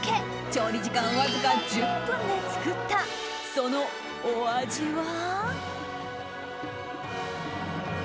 調理時間、わずか１０分で作ったそのお味は？